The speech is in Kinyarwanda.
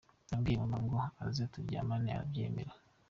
Nabwiye mama ngo aze turyamane arabyemera.